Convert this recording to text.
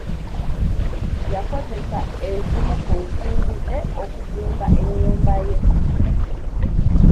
Yakozesa ezimu ku nsimbi ze okuzimba ennyumba ye